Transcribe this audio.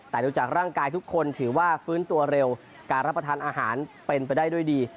แต่ดูจากร่างกายทุกคนถือว่าฟื้นตัวเร็วการรับประทานอาหารเป็นไปได้ด้วยดี